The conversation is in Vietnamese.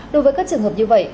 đối với các trường hợp như vậy